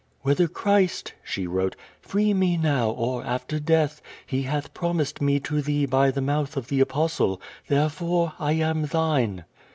"Wliether Christ," she wrote, "free me now or after death, He liaMi i)romised me to thee by the mouth of the Apostle; therefore I am thine."